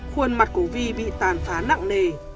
khuôn mặt của vy bị tàn phá nặng nề